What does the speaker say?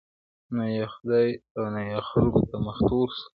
نه یې خدای او نه یې خلګو ته مخ تور سي,